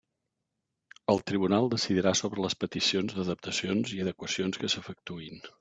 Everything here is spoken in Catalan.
El Tribunal decidirà sobre les peticions d'adaptacions i adequacions que s'efectuïn.